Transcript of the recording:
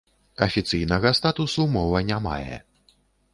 Афіцыйнага статусу мова не мае.